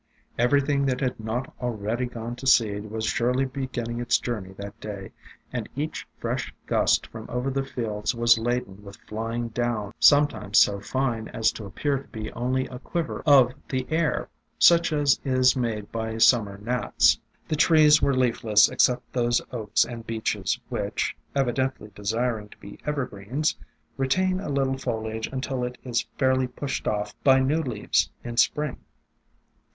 Everything that had not already gone to seed was surely beginning its journey that day, and each fresh gust from over the fields was laden with flying down, sometimes so fine as to appear to be only a quiver of the air, such as is made by summer gnats. The trees were leafless except those Oaks and Beeches which, evidently desiring to be evergreens, retain a lit tle foliage until it is fairly pushed off by new leaves in Spring.